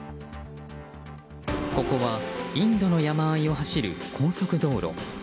ここはインドの山あいを走る高速道路。